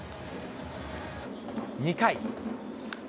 ２回。